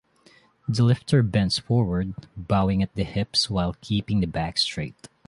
The lifter bends forward, bowing at the hips while keeping the back straight.